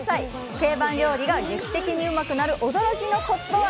定番料理が劇的にうまくなる驚きのコツとは？